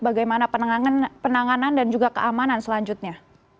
bagaimana penanganan dan juga keamanan selanjutnya